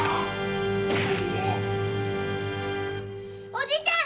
おじちゃん！